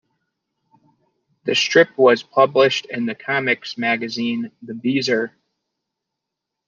The strip was published in the comics magazine "The Beezer".